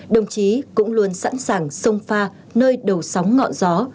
đồng chí cũng luôn sẵn sàng sông pha nơi đầu sóng ngọn gió